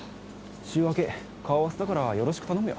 週明け、顔合わせだから、よろしく頼むよ。